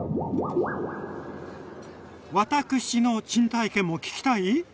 私の珍体験も聞きたい？